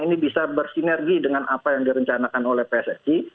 ini bisa bersinergi dengan apa yang direncanakan oleh pssi